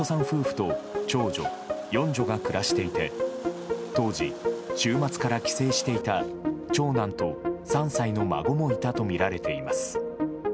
夫婦と長女、四女が暮らしていて、当時、週末から帰省していた長男と３歳の孫もいたと見られています。